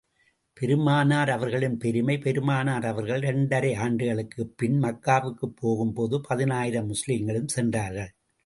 பெருமானார் அவர்களின் பெருமை பெருமானார் அவர்கள் இரண்டரை ஆண்டுகளுக்குப் பின், மக்காவுக்குப் போகும் போது பதினாயிரம் முஸ்லிம்களும் சென்றார்கள்.